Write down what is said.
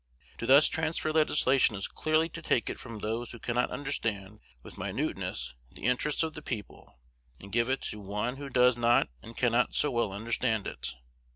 To thus transfer legislation is clearly to take it from those who understand with minuteness the interests of the people, and give it to one who does not and cannot so well understand it.